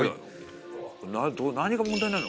「何が問題になるの？